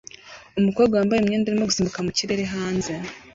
Umukobwa wambaye imyenda arimo gusimbuka mu kirere hanze